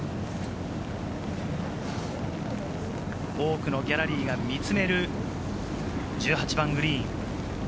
多くのギャラリーが見つめる１８番グリーン。